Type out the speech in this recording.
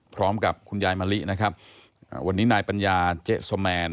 พร้อมกับคุณยายมะลินะครับวันนี้นายปัญญาเจ๊สแมน